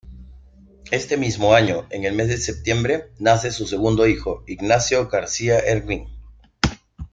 Ese mismo año, en el mes de septiembre, nace su segundo hijo, Ignacio García-Ergüín.